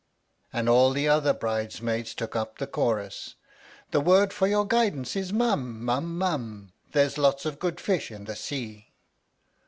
And all the other bridesmaids took up the chorus : The word for your guidance is " mum mum mum "; There' s lots of good fish in the sea